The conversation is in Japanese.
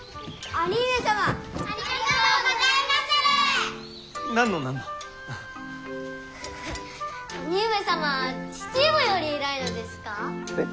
兄上様は父上より偉いのですか？